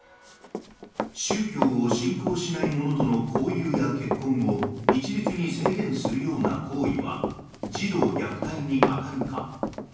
宗教を信仰しない者との交友や結婚を一律に制限するような行為は児童虐待に当たるか。